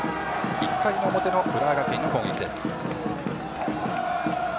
１回の表の浦和学院の攻撃です。